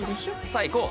さあ行こう！